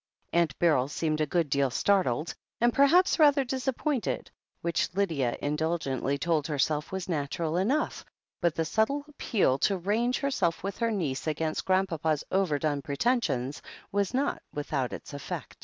Aunt Beryl seemed a good deal startled, and per haps rather disappointed, which Lydia indulgently told herself was natural enough, but the subtle appeal to range herself with her niece against Grandpapa's over done pretensions was not without its effect.